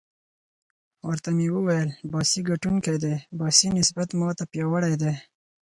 ورته ومې ویل: باسي ګټونکی دی، باسي نسبت ما ته پیاوړی دی.